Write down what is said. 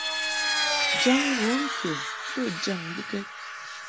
Jaŋ wəŋkəm ka bə jaŋ mbɨkɛd.